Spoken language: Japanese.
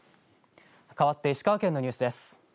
かわって石川県のニュースです。